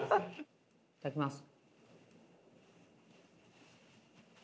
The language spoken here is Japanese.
いただきます。